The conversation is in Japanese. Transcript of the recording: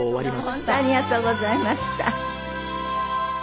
本当ありがとうございました。